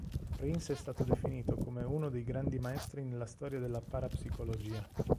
Prince è stato definito come uno dei "grandi maestri" nella storia della parapsicologia.